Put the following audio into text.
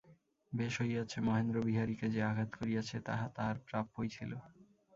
বেশ হইয়াছে, মহেন্দ্র বিহারীকে যে-আঘাত করিয়াছে, তাহা তাহার প্রাপ্যই ছিল।